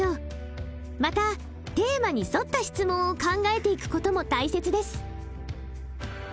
またテーマに沿った質問を考えていく事も大切です。